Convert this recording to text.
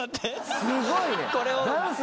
すごいね！